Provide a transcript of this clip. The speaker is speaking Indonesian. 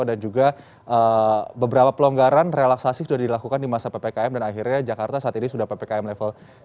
dan juga beberapa pelonggaran relaksasi sudah dilakukan di masa ppkm dan akhirnya jakarta saat ini sudah ppkm level tiga